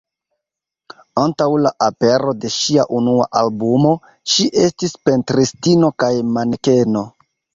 Antaŭ la apero de ŝia unua albumo, ŝi estis pentristino kaj manekeno.